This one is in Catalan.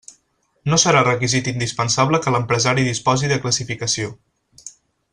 No serà requisit indispensable que l'empresari disposi de classificació.